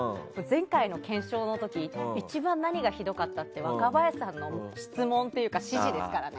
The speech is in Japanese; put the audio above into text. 前回の検証の時一番何がひどかったって若林さんの質問というか指示ですからね。